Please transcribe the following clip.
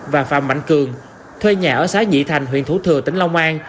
và phạm mạnh cường thuê nhà ở xá nhị thành huyện thủ thừa tỉnh long an